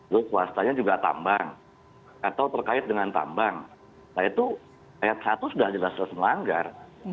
lalu swastanya juga tambang atau terkait dengan tambang nah itu ayat satu sudah jelas jelas melanggar